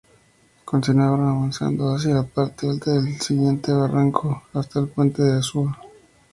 Continuaron avanzando hacia la parte alta del siguiente barranco hasta el puente de Asúa.